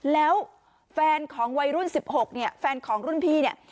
แล้วแฟนของวัยรุ่น๑๖เนี่ยแฟนของรุ่นพี่เนี่ย